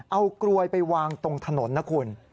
เอากลวยไปวางตรงถนนนะคุณ